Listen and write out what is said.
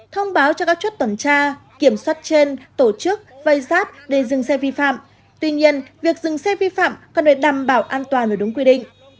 thông báo cho các chốt tuần tra kiểm soát trên tổ chức vây giáp để dừng xe vi phạm tuy nhiên việc dừng xe vi phạm cần phải đảm bảo an toàn ở đúng quy định